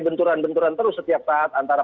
benturan benturan terus setiap saat antara